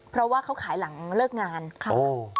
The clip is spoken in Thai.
เพราะว่าเขาขายหลังเลิกงานค่ะ